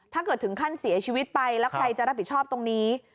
ถึงขั้นเสียชีวิตไปแล้วใครจะรับผิดชอบตรงนี้